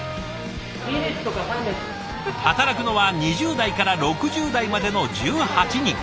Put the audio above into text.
働くのは２０代から６０代までの１８人。